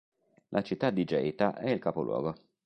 La città di Geita è il capoluogo.